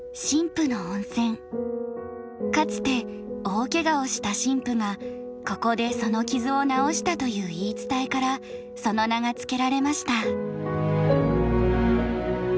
かつて大けがをした神父がここでその傷を治したという言い伝えからその名が付けられました。